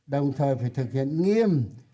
đồng thời phải thực hiện nghiêm